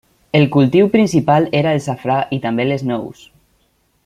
El cultiu principal era el safrà, i també les nous.